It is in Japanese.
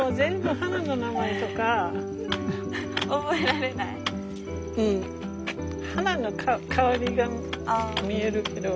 花の香りが見えるけど。